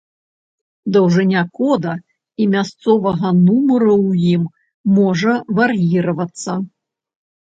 Даўжыня кода і мясцовага нумары ў ім можа вар'іравацца.